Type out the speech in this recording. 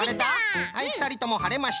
はいふたりともはれました。